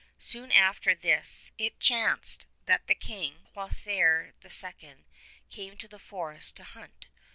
Soon after this it chanced that the King, Clothaire II., came to the forest to hunt.